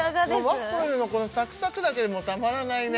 ワッフルのこのサクサクだけでもたまらないね